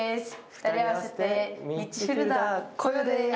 ２人合わせて「ミッチフィルダーこよ」です。